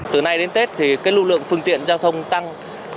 từ nay đến tết thì cái lưu lượng phương tiện giao thông tăng